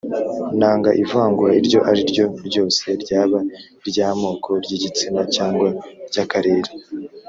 Nanga ivangura iryo ari ryo ryose ryaba iry’amoko ry’igitsina cyangwa ry’akarere